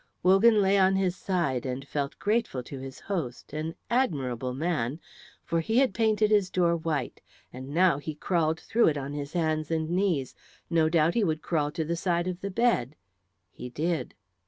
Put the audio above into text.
Wogan lay on his side and felt grateful to his host, an admirable man, for he had painted his door white, and now he crawled through it on his hands and knees. No doubt he would crawl to the side of the bed; he did.